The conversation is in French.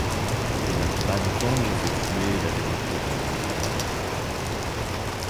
La plupart du temps, j’effectuais l’aller-retour au radar.